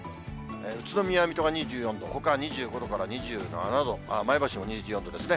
宇都宮、水戸が２４度、ほかは２５度から２７度、前橋も２４度ですね。